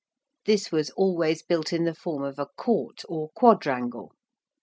This was always built in the form of a court or quadrangle.